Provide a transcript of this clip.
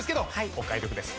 お買い得です